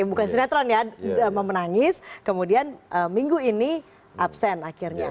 bukan sinetron ya menangis kemudian minggu ini absen akhirnya